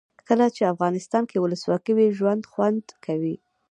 کله چې افغانستان کې ولسواکي وي ژوند خوند کوي.